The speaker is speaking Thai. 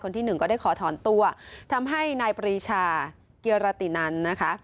คนที่๑ก็ได้ขอถอนตัวทำให้นายปรีชาเกียรตินัน